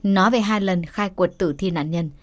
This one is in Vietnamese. nói về hai lần khai quật tử thi nạn nhân